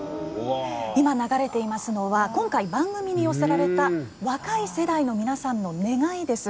今、流れていますのは今回、番組に寄せられた若い世代の皆さんの願いです。